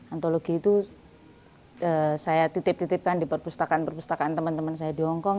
antologi itu saya titip titipkan di perpustakaan perpustakaan teman teman saya di hongkong